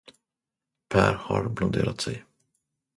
Per har blonderat sig.